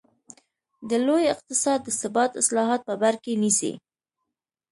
د لوی اقتصاد د ثبات اصلاحات په بر کې نیسي.